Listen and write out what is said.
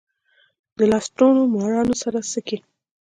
د لستوڼو مارانو سره څه کئ.